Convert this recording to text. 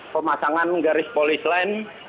pemasangan garis polis lain